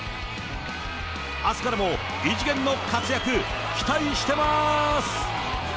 あすからも異次元の活躍、期待してます。